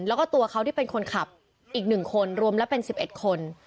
แล้วก็ตัวเขาที่เป็นคนขับอีก๑คนรวมแล้วเป็น๑๑คน